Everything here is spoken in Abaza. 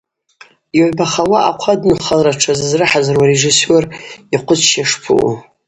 Йгӏвбахауа ахъвы адынхалра тшазызрыхӏазыруа арежиссёр йхъвыцща шпаъу?